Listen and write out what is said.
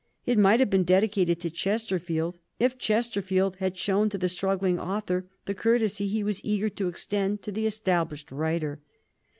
It might have been dedicated to Chesterfield, if Chesterfield had shown to the struggling author the courtesy he was eager to extend to the established writer.